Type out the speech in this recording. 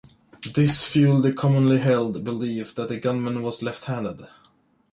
This fueled the commonly-held belief that the gunman was left-handed.